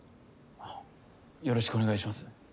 あぁよろしくお願いします。